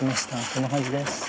こんな感じです。